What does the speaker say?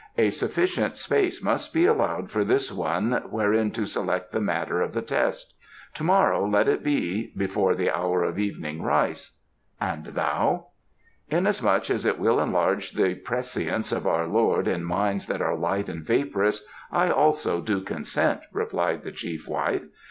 "A sufficient space must be allowed for this one wherein to select the matter of the test. To morrow let it be, before the hour of evening rice. And thou?" "Inasmuch as it will enlarge the prescience of our lord in minds that are light and vaporous, I also do consent," replied the chief wife.